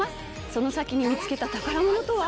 その先に見つけた宝物とは？